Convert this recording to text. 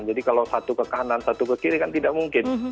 jadi kalau satu ke kanan satu ke kiri kan tidak mungkin